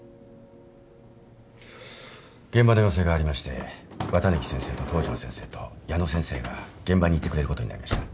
現場の要請がありまして綿貫先生と東上先生と矢野先生が現場に行ってくれることになりました。